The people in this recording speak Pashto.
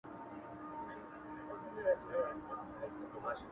انسانیت په توره نه راځي. په ډال نه راځي.